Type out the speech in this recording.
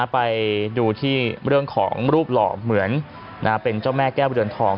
ไปดูที่เรื่องของรูปหล่อเหมือนเป็นเจ้าแม่แก้วเรือนทอง